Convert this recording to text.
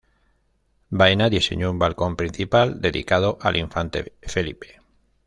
Baena diseñó un balcón principal, dedicado al infante Felipe.